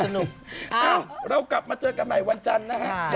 เอ้าเรากลับมาเจอกันใหม่วันจันทร์นะครับค่ะ